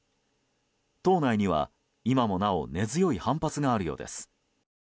党内には、今もなお根強い反発があるようです。